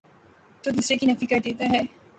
تودوسرے کی نفی کردیتا ہے۔